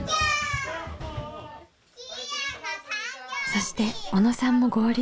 そして小野さんも合流。